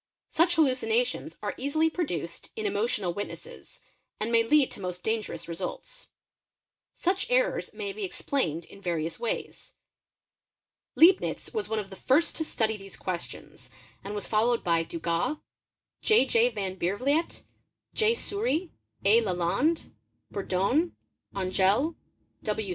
Such hallucinations are easily oduced in emotional witnesses and may lead to most dangerous sults. Such errors (Paramnésie) may be explained in various ways. Leibnitz Pe, pe eiones Insensibles) was one of the first to study these questions _ was followed by Dugas, J. J. Van Biervliet, J. Soury, A. Lalande, u pion Anjel, W.